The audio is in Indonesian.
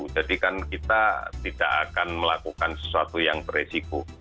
jadi kan kita tidak akan melakukan sesuatu yang beresiko